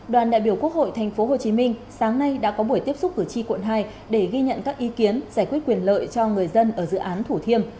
đoàn đại biểu quốc hội tp hcm sáng nay đã có buổi tiếp xúc cử tri quận hai để ghi nhận các ý kiến giải quyết quyền lợi cho người dân ở dự án thủ thiêm